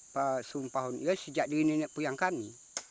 pesumpah itu sejak dulu nenek puyang kami